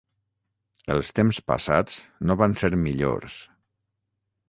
Els temps passats no van ser millors